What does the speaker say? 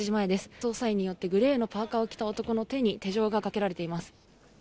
捜査員によって、グレーのパーカーを着た男の手に手錠がかけられています。